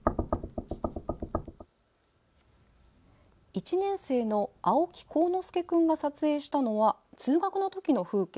１年生の青木晃之介君が撮影したのは、通学の時の風景。